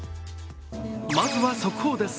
まずは速報です